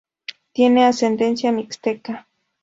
Tiene ascendencia mixteca.